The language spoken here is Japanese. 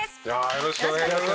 よろしくお願いします。